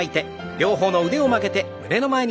両方の腕を曲げて胸の前に。